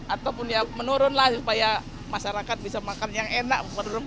ataupun ya menurun lah supaya masyarakat bisa makan yang enak